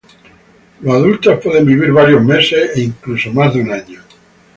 Los adultos pueden vivir varios meses e incluso más de un año.